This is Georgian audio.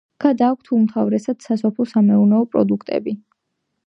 გადააქვთ უმთავრესად სასოფლო-სამეურნეო პროდუქტები.